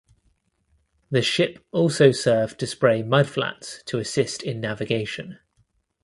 The ship also served to spray mudflats to assist in navigation.